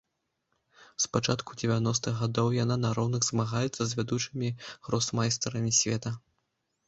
З пачатку дзевяностых гадоў яна на роўных змагаецца з вядучымі гросмайстрамі света.